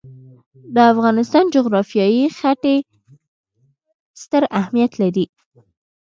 د افغانستان جغرافیه کې ښتې ستر اهمیت لري.